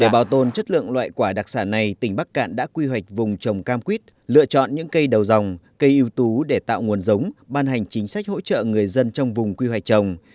để bảo tồn chất lượng loại quả đặc sản này tỉnh bắc cạn đã quy hoạch vùng trồng cam quýt lựa chọn những cây đầu dòng cây ưu tú để tạo nguồn giống ban hành chính sách hỗ trợ người dân trong vùng quy hoạch trồng